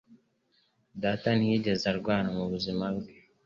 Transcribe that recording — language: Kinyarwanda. Data ntiyigeze arwara mu buzima bwe